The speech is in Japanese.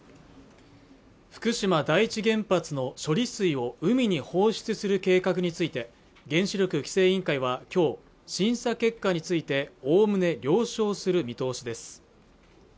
福島第１原発の処理水を海に放出する計画について原子力規制委員会は今日審査結果についておおむね了承する見通しです